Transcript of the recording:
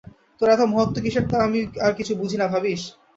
তোর এত মহত্ত্ব কিসের তা কি আমি আর কিছু বুঝি না ভাবিস।